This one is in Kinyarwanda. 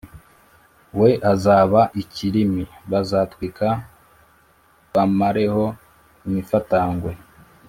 We azaba ikirimi bazatwika bamareho imifatangwe